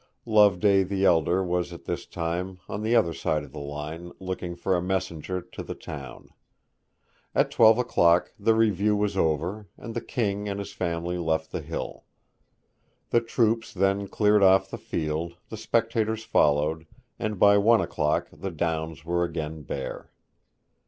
Loveday the elder was at this time on the other side of the line, looking for a messenger to the town. At twelve o'clock the review was over, and the King and his family left the hill. The troops then cleared off the field, the spectators followed, and by one o'clock the downs were again bare.